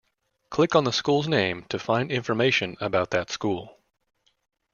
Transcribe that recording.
Click on a school's name to find information about that school.